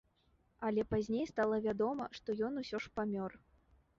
Але пазней стала вядома, што ён усё ж памёр.